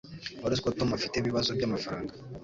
Wari uzi ko Tom afite ibibazo byamafaranga?